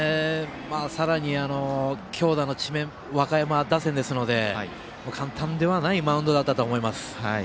さらに強打の智弁和歌山打線ですので簡単ではないマウンドだったと思います。